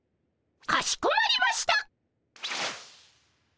かしこまりました。